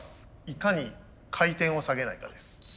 いかに回転を下げないかです。